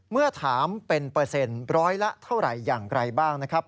เมื่อถามเป็นเปอร์เซ็นต์ร้อยละเท่าไหร่อย่างไรบ้างนะครับ